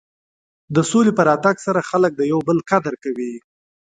د سولې په راتګ سره خلک د یو بل قدر کوي.